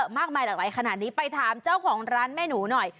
มากมายหลากหลายขนาดนี้ไปถามเจ้าของร้านแม่หนูหน่อย